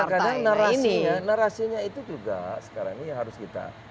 nah kadang kadang narasinya itu juga sekarang ini harus kita